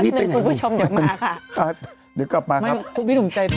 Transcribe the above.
เดี๋ยวกลับมาครับ